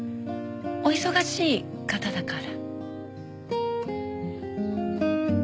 お忙しい方だから。